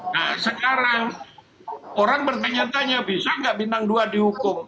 nah sekarang orang bertanya tanya bisa nggak bintang dua dihukum